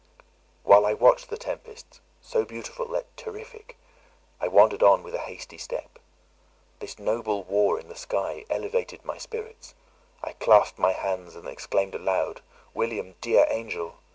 While I watched the tempest, so beautiful yet terrific, I wandered on with a hasty step. This noble war in the sky elevated my spirits; I clasped my hands, and exclaimed aloud, "William, dear angel!